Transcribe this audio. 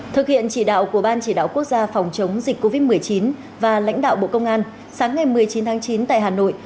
thực hiện chỉ đạo của ban chỉ đạo quốc gia phòng chống dịch covid một mươi chín và lãnh đạo bộ công an sáng ngày một mươi chín tháng chín tại hà nội